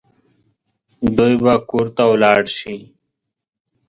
دوی به کور ته ولاړ شي